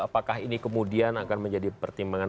apakah ini kemudian akan menjadi pertimbangan